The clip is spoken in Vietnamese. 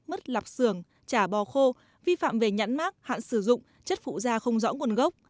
mất lạp xưởng chả bò khô vi phạm về nhãn mát hạn sử dụng chất phụ da không rõ nguồn gốc